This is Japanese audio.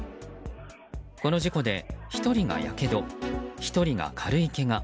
この事故で、１人がやけど１人が軽いけが。